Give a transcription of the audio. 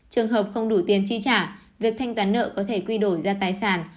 trường hợp không đủ tiền chi trả việc thanh toán nợ có thể quy đổi ra tài sản